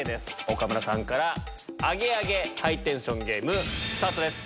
岡村さんからアゲアゲハイテンションゲームスタートです。